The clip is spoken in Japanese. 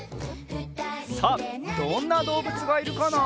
さあどんなどうぶつがいるかな？